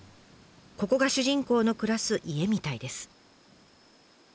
ここが主人公の暮らす家みたいです。